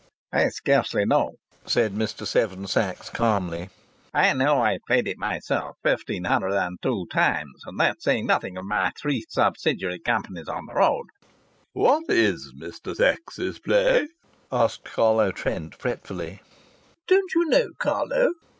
"I scarcely know," said Mr. Seven Sachs, calmly. "I know I've played it myself fifteen hundred and two times, and that's saying nothing of my three subsidiary companies on the road." "What is Mr. Sachs's play?" asked Carlo Trent, fretfully. "Don't you know, Carlo?"